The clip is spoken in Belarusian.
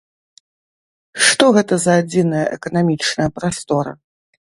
Што гэта за адзіная эканамічная прастора?